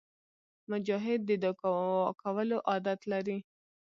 مجاهد د دعا کولو عادت لري.